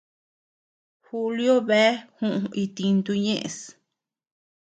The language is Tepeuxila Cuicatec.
Julio bea juʼu itintu ñeʼës.